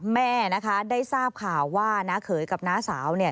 แม่ได้ทราบข่าวว่าน้าเขยกับน้าสาว